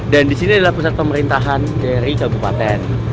dan di sini adalah pusat pemerintahan dari kabupaten